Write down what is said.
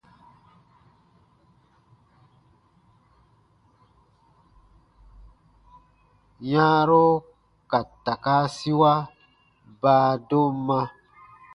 Yãaro ka takaasiwa baadomma.